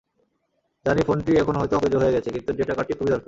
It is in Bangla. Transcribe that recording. জানি, ফোনটি এখন হয়তো অকেজো হয়ে গেছে, কিন্তু ডেটা কার্ডটি খুবই দরকার।